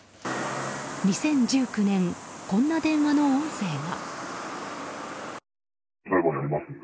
２０１９年、こんな電話の音声が。